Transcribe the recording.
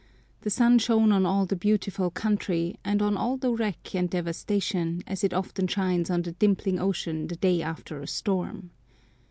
The sun shone on all the beautiful country, and on all the wreck and devastation, as it often shines on the dimpling ocean the day after a storm.